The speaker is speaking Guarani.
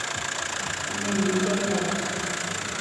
Imembýpe g̃uarã